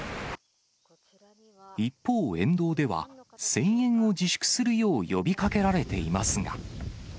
一方、沿道では声援を自粛するよう呼びかけられていますが。